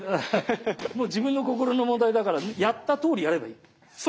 もう自分の心の問題だからやったとおりやればいい。